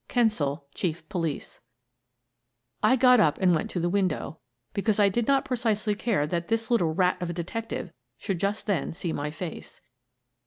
" Kensill, Chief Police/ 9 I got up and went to the window, because I did not precisely care that this little rat of a detective should just then see my face.